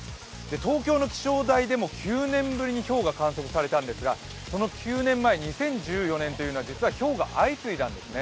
東京の気象台でも９年ぶりにひょうが観測されたんですがその９年前２０１４年というのはひょうが相次いだんですね。